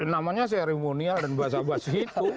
namanya seremonial dan bahasa bahasa itu